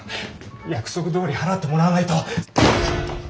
・約束どおり払ってもらわないと。